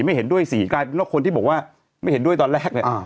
ไม่เห็นด้วยสิกลายเป็นว่าคนที่บอกว่าไม่เห็นด้วยตอนแรกเนี่ย